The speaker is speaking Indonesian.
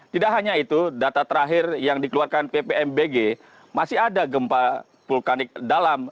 tidak hanya itu data terakhir yang dikeluarkan ppmbg masih ada gempa vulkanik dalam